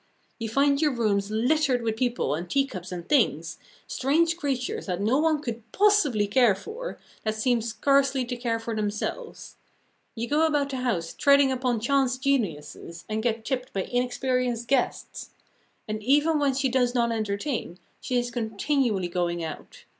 You find your rooms littered with people and teacups and things, strange creatures that no one could possibly care for, that seem scarcely to care for themselves. You go about the house treading upon chance geniuses, and get tipped by inexperienced guests. And even when she does not entertain, she is continually going out.